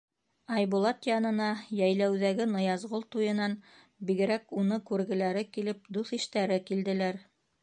Айбулат янына йәйләүҙәге Ныязғол туйынан бигерәк, уны күргеләре килеп, дуҫ-иштәре килделәр.